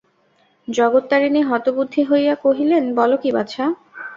জগত্তারিণী হতবুদ্ধি হইয়া কহিলেন, বল কী বাছা?